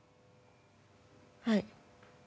はい。